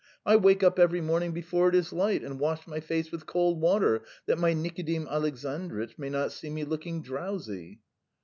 I wake up every morning before it is light, and wash my face with cold water that my Nikodim Alexandritch may not see me looking drowsy."